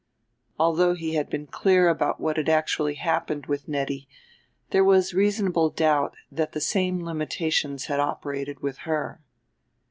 Although he had been clear about what had actually happened with Nettie there was reasonable doubt that the same limitations had operated with her.